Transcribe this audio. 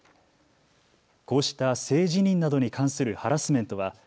こうした性自認などに関するハラスメントはＳＯＧＩ